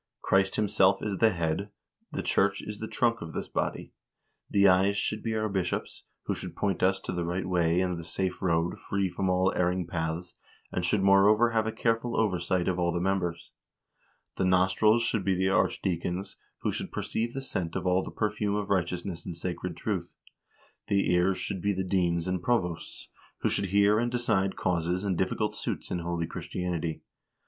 "Christ himself is the head, the church is the trunk of this body. The eyes should be our bishops, who should point us to the right way and the safe road, free from all erring paths, and should moreover have a careful oversight of all the members. The nostrils should be the archdeacons, who should perceive the scent of all the perfume of righteousness and sacred truth. The ears should be the deans and provosts, who should hear and decide causes and difficult suits in holy Christianity.